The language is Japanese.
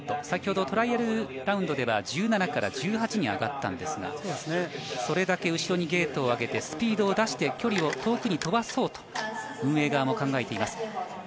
先ほどトライアルラウンドでは１７から１８に上がったんですが、それだけ後ろにゲートを上げてスピードを出して距離を遠くに飛ばそうと運営側も考えています。